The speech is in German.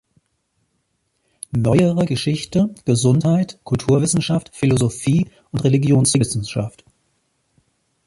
Neuere Geschichte, Gesundheit, Kulturwissenschaft, Philosophie und Religionswissenschaft.